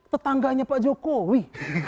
tetangganya pak jokowi